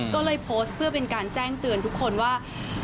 ก็เลยโพสต์เพื่อเป็นการแจ้งเตือนทุกคนว่า